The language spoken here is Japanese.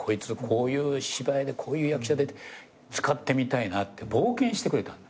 こういう芝居でこういう役者でって使ってみたいなって冒険してくれた。